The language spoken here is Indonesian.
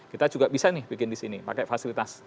kita juga bisa nih bikin di sini pakai fasilitas